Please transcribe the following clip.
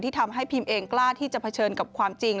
ทำให้พิมเองกล้าที่จะเผชิญกับความจริง